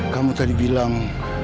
kamu tadi bilang